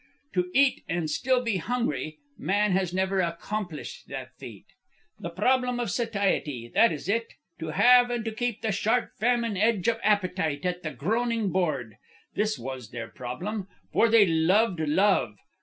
To eat and still be hungry man has never accomplished that feat. The problem of satiety. That is it. To have and to keep the sharp famine edge of appetite at the groaning board. This was their problem, for they loved Love.